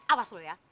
awas dulu ya